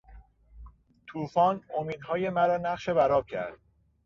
توفان امیدهای مرا نقش بر آب کرد.